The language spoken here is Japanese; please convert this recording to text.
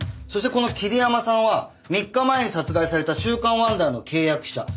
そしてこの桐山さんは３日前に殺害された『週刊ワンダー』の契約記者